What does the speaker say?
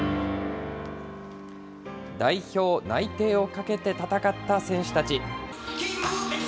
代表内定をかけて戦った選手たち。